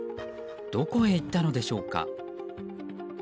どこへ行ったのでしょうか。